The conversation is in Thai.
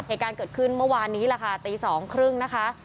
เหตุการณ์เกิดขึ้นเมื่อวานนี้แหละค่ะตี๒๓๐นะคะ